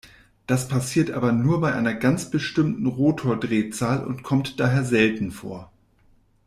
Das passiert aber nur bei einer ganz bestimmten Rotordrehzahl und kommt daher selten vor.